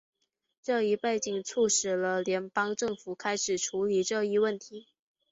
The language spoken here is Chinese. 这一背景促使了联邦政府开始处理这一问题。